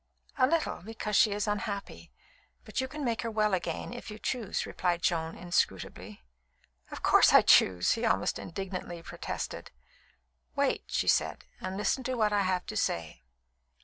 "A little, because she is unhappy; but you can make her well again if you choose," replied Joan inscrutably. "Of course I choose!" he almost indignantly protested. "Wait," said she, "and listen to what I have to say.